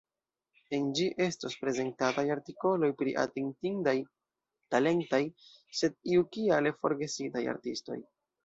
En ĝi estos prezentataj artikoloj pri atentindaj, talentaj, sed iukiale forgesitaj artistoj.